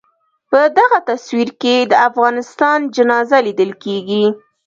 په دغه تصویر کې د افغانستان جنازه لیدل کېږي.